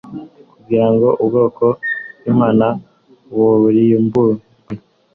kugira ngo ubwoko bwImana burimburwe